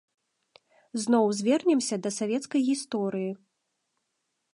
Зноў звернемся да савецкай гісторыі.